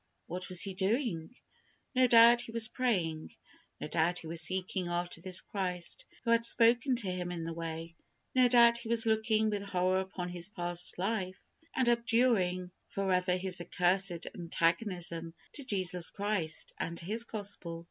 What was he doing? No doubt he was praying. No doubt he was seeking after this Christ, who had spoken to him in the way. No doubt he was looking with horror upon his past life, and abjuring forever his accursed antagonism to Jesus Christ, and to His Gospel.